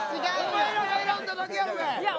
お前らが選んだだけやろがい！